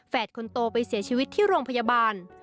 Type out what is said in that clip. คนโตไปเสียชีวิตที่โรงพยาบาล